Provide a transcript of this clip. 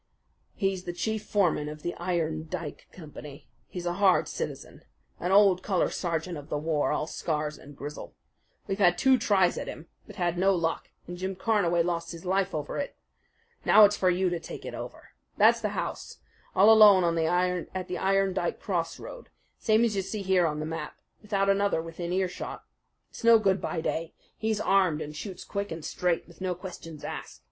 "He's the chief foreman of the Iron Dike Company. He's a hard citizen, an old colour sergeant of the war, all scars and grizzle. We've had two tries at him; but had no luck, and Jim Carnaway lost his life over it. Now it's for you to take it over. That's the house all alone at the Iron Dike crossroad, same as you see here on the map without another within earshot. It's no good by day. He's armed and shoots quick and straight, with no questions asked.